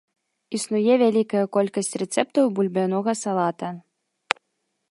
Існуе вялікая колькасць рэцэптаў бульбянога салата.